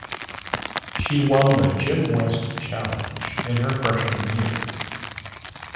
She won the Jim West Challenge in her freshman year.